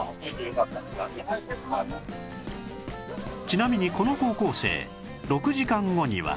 ちなみにこの高校生６時間後には